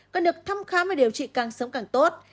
cần được thăm khám và điều trị càng sớm càng tốt